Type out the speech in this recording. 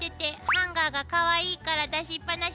ハンガーがかわいいから出しっぱなしだったのよ。